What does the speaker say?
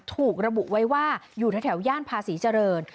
ถูกระบุไว้ว่าอยู่แถวย่านภาษีเจริญ